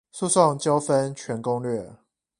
訴訟糾紛全攻略